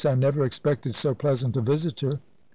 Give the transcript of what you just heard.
I never expected so pleasant a visitor."